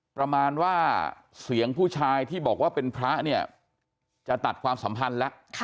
ประมาณว่าเสียงผู้ชายที่บอกว่าเป็นพระเนี่ยจะตัดความสัมพันธ์แล้ว